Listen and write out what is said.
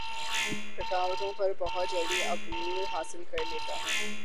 رکاوٹوں پر بہت جلدی عبور حاصل کر لیتا ہوں